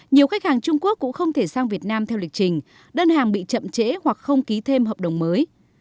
nhiều khách hàng trung quốc cũng không thể sang việt nam theo lịch trình đơn hàng bị chậm trễ hoặc không ký thêm hợp đồng mới